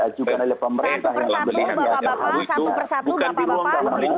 saya ingin melihat jalan belian yang ada di ruu itu bukan di ruang bapak bapak